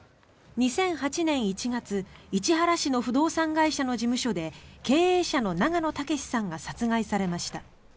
２００８年１月市原市の不動産会社の事務所で経営者の永野武さんが殺害されました。